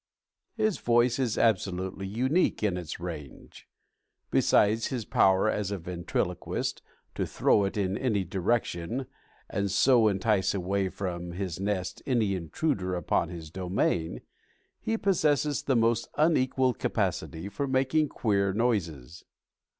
His voice is absolutely unique in its range. Besides his power as a ventriloquist, to throw it in any direction, and so entice away from his nest any intruder upon his domain, he possesses the most unequaled capacity for making queer noises.